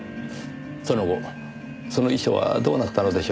その後その遺書はどうなったのでしょう？